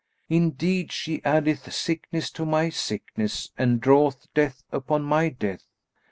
Indeed she addeth sickness to my sickness and draweth death upon my death!"